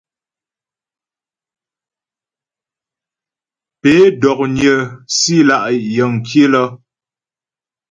Pé dó'nyə́ si lá' yəŋ kilə́ ?